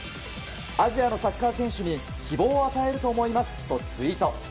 アジアのサッカー選手に希望を与えると思いますとツイート。